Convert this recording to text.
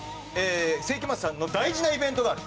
聖飢魔Ⅱさんの大事なイベントがある。